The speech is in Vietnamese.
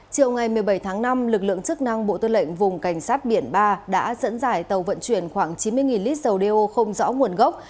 chiều ngày một mươi bảy tháng năm lực lượng chức năng bộ tư lệnh vùng cảnh sát biển ba đã dẫn dải tàu vận chuyển khoảng chín mươi lít dầu đeo không rõ nguồn gốc